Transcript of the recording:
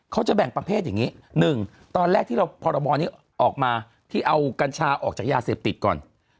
เขาจะแบ่งประเภทอย่างนี้๑ตอนแรกที่เราพรบนี้ออกมาที่เอากัญชาออกจากยาเสพติดก่อน